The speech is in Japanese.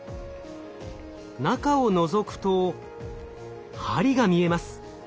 中をのぞくと針が見えます。